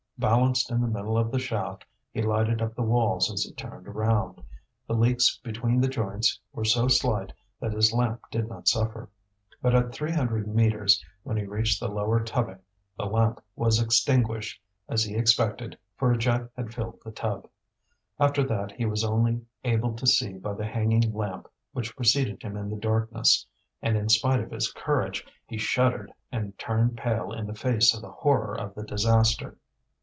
Balanced in the middle of the shaft he lighted up the walls as he turned round; the leaks between the joints were so slight that his lamp did not suffer. But at three hundred metres, when he reached the lower tubbing, the lamp was extinguished, as he expected, for a jet had filled the tub. After that he was only able to see by the hanging lamp which preceded him in the darkness, and, in spite of his courage, he shuddered and turned pale in the face of the horror of the disaster.